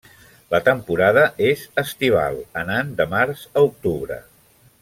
La temporada és estival, anant de març a octubre.